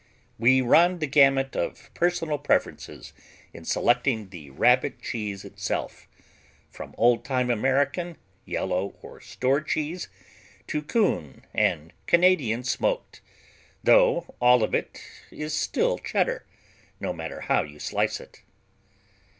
We run the gamut of personal preferences in selecting the Rabbit cheese itself, from old time American, yellow or store cheese, to Coon and Canadian smoked, though all of it is still Cheddar, no matter how you slice it.